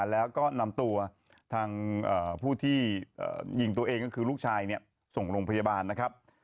แล้วก็นำตัวทางผู้ที่ยิงตัวเองก็คือลูกชายส่งโรงพยาบาลนะครับ